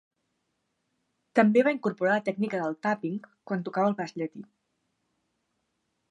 També va incorporar la tècnica del "tapping" quan tocava el baix llatí.